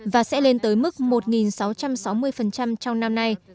và sẽ lên tới mức một sáu trăm sáu mươi trong năm nay